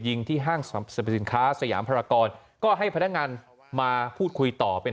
ยิงที่ห้างสรรพสินค้าสยามพรากรก็ให้พนักงานมาพูดคุยต่อเป็น